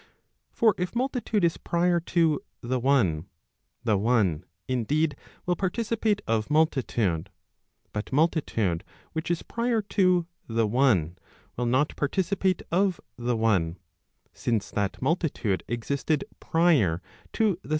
For if multitude is prior to the one, the one indeed will participate of multitude, but multitude which is prior to the one will not participate of the one, since that multitude existed prior to the subsistence of the one.